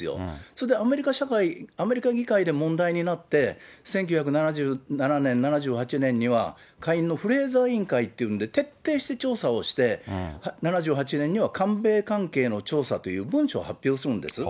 それでアメリカ社会、アメリカ議会で、問題になって、１９７７年、７８年には下院のフレーザー委員会って、徹底して調査をして、７８年には韓米関係の調査という文書を発表するんです。